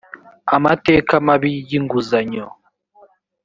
amateka mabi y inguzanyo